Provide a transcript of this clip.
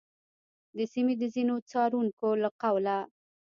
د سیمې د ځینو څارونکو له قوله،